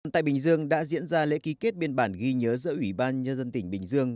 tại bình dương đã diễn ra lễ ký kết biên bản ghi nhớ giữa ủy ban nhân dân tỉnh bình dương